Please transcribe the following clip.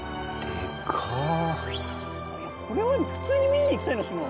これは普通に見に行きたいなっしな。